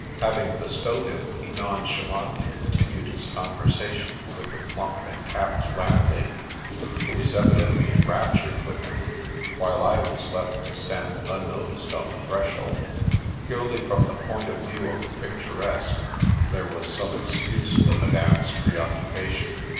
Having bestowed it, he non chalantly continued his conversation with the plump and capped landlady, who was evidently enraptured The Brat 103 with him, while I was left to stand unnoticed on the threshold. Purely from the point of view of the picturesque, there was some excuse for madame's preoccupation.